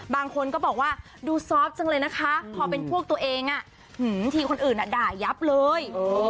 บางคนก็บอกว่าดูซอฟต์จังเลยนะคะพอเป็นพวกตัวเองทีคนอื่นด่ายับเลย